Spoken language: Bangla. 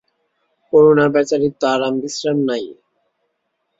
করূণা বেচারির তো আরাম বিশ্রাম নাই।